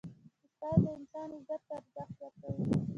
استاد د انسان عزت ته ارزښت ورکوي.